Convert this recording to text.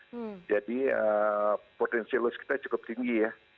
hmm jadi potensi lulus kita cukup tinggi